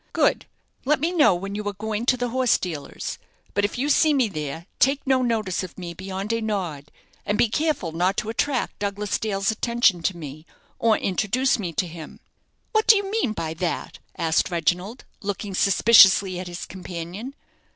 "Good. Let me know when you are going to the horse dealer's: but if you see me there, take no notice of me beyond a nod, and be careful not to attract Douglas Dale's attention to me or introduce me to him." "What do you mean by that?" asked Reginald, looking suspiciously at his companion.